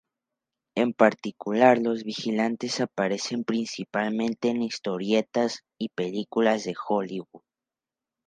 En particular, los vigilantes aparecen principalmente en historietas y películas de Hollywood.